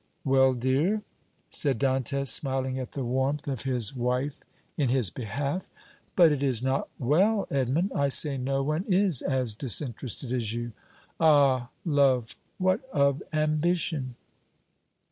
"Well, dear?" said Dantès, smiling at the warmth of his wife in his behalf. "But it is not 'well,' Edmond. I say no one is as disinterested as you." "Ah! love, what of ambition?"